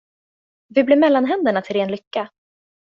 Vi blir mellanhänderna till ren lycka.